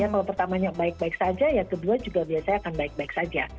kalau pertamanya baik baik saja ya kedua juga biasanya akan baik baik saja